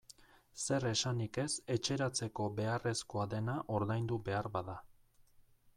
Zer esanik ez etxeratzeko beharrezkoa dena ordaindu behar bada.